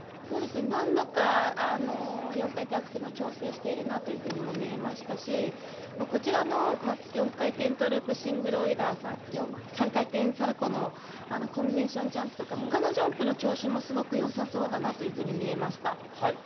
何度か４回転アクセルの調整しているなというふうにも見えましたし、こちらの４回転トーループ、シングルオイラー、３回転サルコーのコンビネーションジャンプとか、ほかのジャンプの調子もすごくよさそうだなというふうに見えました。